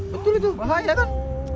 betul itu bahaya kan